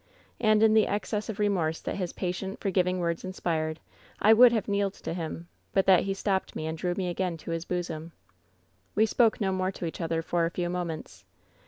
And in the excess of remorse that his patient, forgiving words in spired, I would have kneeled to him, but that he stopped me and drew me again to his bosom. "We spoke no more to each other for a few moments.